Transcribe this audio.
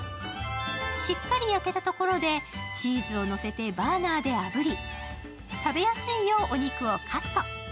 しっかり焼けたところでチーズをのせてバーナーであぶり食べやすいよう、お肉をカット。